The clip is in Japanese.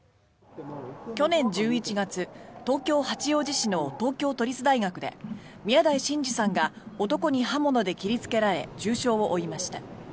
去年１１月、東京・八王子市の東京都立大学で宮台真司さんが男に刃物で切りつけられ重傷を負いました。